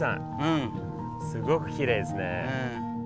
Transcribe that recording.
すごくきれいですね。